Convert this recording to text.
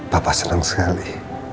papa senang sekali